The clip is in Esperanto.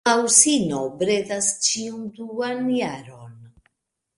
La ursino bredas ĉiun duan jaron.